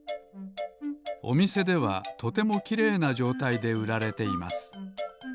おみせではとてもきれいなじょうたいでうられています。